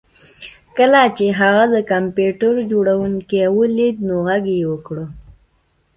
کله چې هغه د کمپیوټر جوړونکی ولید نو غږ یې وکړ